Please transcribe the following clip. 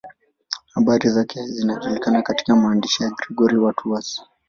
Habari zake zinajulikana katika maandishi ya Gregori wa Tours.